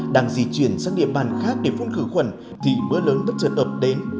đang di chuyển sang địa bàn khác để phun khử khuẩn thì mưa lớn rất trật ợp đến